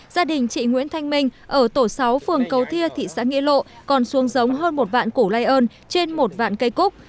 gia đình chị nguyễn thanh minh ở tổ sáu phường cầu thia thị xã nghĩa lộ còn xuống giống hơn một vạn củ lây ơn trên một vạn cây cúc